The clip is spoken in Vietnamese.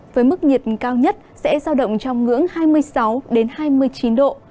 với mức nhiệt cao nhất sẽ giao động trong ngưỡng hai mươi sáu hai mươi chín độ